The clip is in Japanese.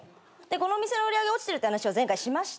この店の売り上げが落ちてるって話は前回しました。